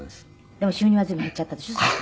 でも収入は随分減っちゃったでしょ？